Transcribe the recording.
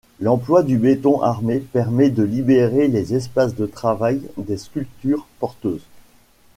L'emploi du béton armé permet de libérer les espaces de travail des structures porteuses.